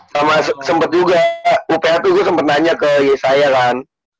sama sempet juga uph tuh gue sempet nanya ke saya kan